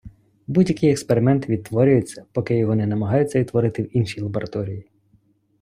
Будь-який експеримент відтворюється, поки його не намагаються відтворити в іншій лабораторії.